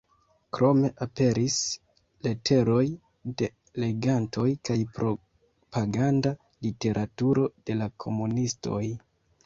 Krome aperis leteroj de legantoj kaj propaganda literaturo de la komunistoj.